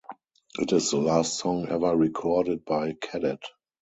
It is the last song ever recorded by Cadet.